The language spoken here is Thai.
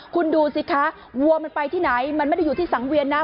คุณดูสิคะวัวมันไปที่ไหนมันไม่ได้อยู่ที่สังเวียนนะ